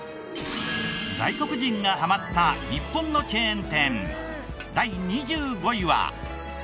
外国人がハマった日本のチェーン店第２５位は。